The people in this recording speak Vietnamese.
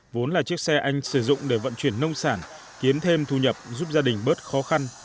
vốn là chiếc xe anh sử dụng để vận chuyển nông sản kiếm thêm thu nhập giúp gia đình bớt khó khăn